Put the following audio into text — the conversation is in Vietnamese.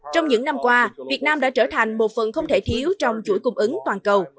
trong những năm qua việt nam đã trở thành một phần không thể thiếu trong chuỗi cung ứng toàn cầu